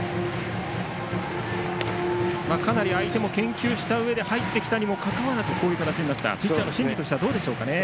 かなり相手も研究したうえで入ってきたにもかかわらずこういう形になったピッチャーの心理としてはどうでしょうかね。